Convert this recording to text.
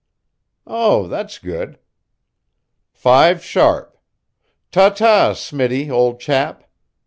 Oh, that's good. Five sharp. Tata, Smitty, old chap.